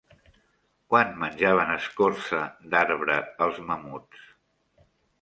Quan menjaven escorça d'arbre els mamuts?